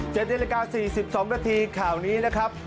เจ็บที่ลากราฟ๔๒นาทีข่าวนี้นะครับ